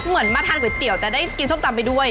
เหมือนมาทานโปรดเตี๋ยวลูกทำผิดแต่ได้กินส้มตำไปด้วย